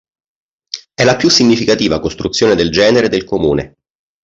È la più significativa costruzione del genere del Comune.